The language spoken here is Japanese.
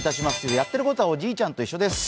やってることはおじいちゃんと一緒です。